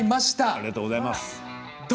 ありがとうございます。